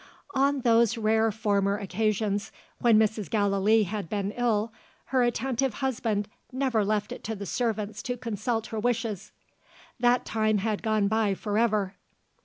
On those rare former occasions, when Mrs. Gallilee had been ill, her attentive husband never left it to the servants to consult her wishes. That time had gone by for ever.